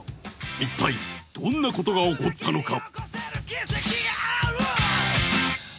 一体どんなことが起こったのか？